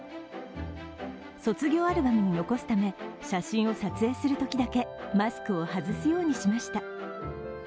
卒業アルバムに残すため、写真を撮影するときだけマスクを外すようにしました。